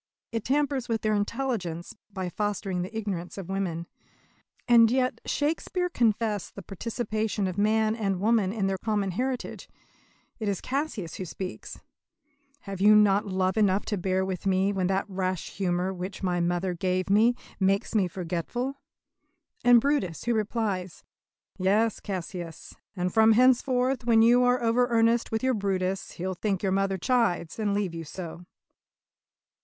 It tampers with their intelligence by fostering the ignorance of women. And yet Shakespeare confessed the participation of man and woman in their common heritage. It is Cassius who speaks: "Have you not love enough to bear with me When that rash humour which my mother gave me Makes me forgetful?" And Brutus who replies: "Yes, Cassius, and from henceforth When you are over earnest with your Brutus He'll think your mother chides, and leave you so."